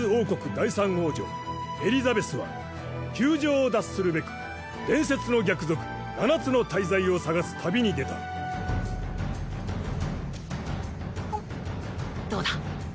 第三王女エリザベスは窮状を脱するべく伝説の逆賊七つの大罪を捜す旅に出たどうだ？